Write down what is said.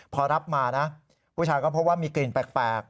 พอรับมานะผู้ชายก็พบว่ามีกลิ่นแปลก